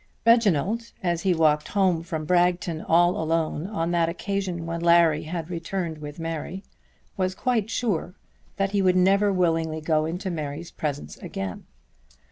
Reginald, as he walked home from Bragton all alone on that occasion when Larry had returned with Mary, was quite sure that he would never willingly go into Mary's presence again.